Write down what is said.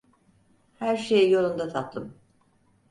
Her şey yolunda tatlım.